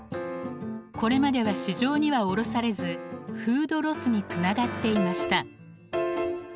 これまでは市場には卸されずフードロスにつながっていました。